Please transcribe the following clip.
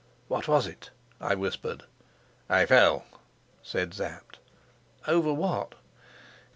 "What was it?" I whispered. "I fell," said Sapt. "Over what?"